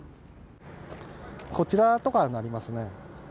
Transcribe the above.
こちらとかになりますね。